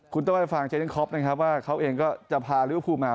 คุณต้อนรับฟังเจอเบนครอปว่าเขาเองก็จะพาริวพูมา